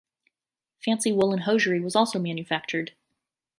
Fancy woolen hosiery was also manufactured.